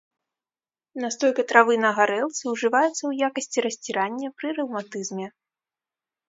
Настойка травы на гарэлцы ўжываецца ў якасці расцірання пры рэўматызме.